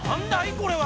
これは。